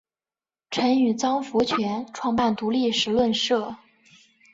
曾与张佛泉创办独立时论社。